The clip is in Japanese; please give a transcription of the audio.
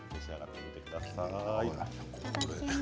いただきます。